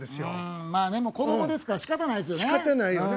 うんまあ子供ですからしかたないですよね。